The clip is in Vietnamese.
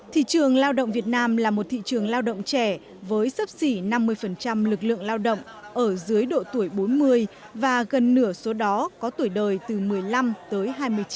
thị trường lao động việt nam là một thị trường lao động trẻ với sấp xỉ năm mươi lực lượng lao động ở dưới độ tuổi bốn mươi và gần nửa số đó có tuổi đời từ một mươi năm tới hai mươi chín